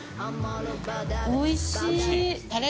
おいしい。